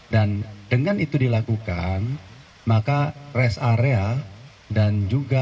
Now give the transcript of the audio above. dan dengan itu dilakukan maka rest area dan juga